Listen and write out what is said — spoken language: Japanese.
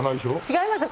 違います。